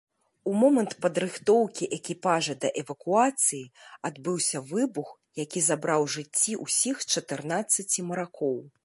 У момант падрыхтоўкі экіпажа да эвакуацыі адбыўся выбух, які забраў жыцці ўсіх чатырнаццаці маракоў.